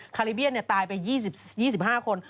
คาริเบียนตายไป๒๕คน